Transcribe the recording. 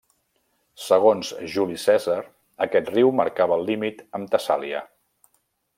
Segons Juli Cèsar aquest riu marcava el límit amb Tessàlia.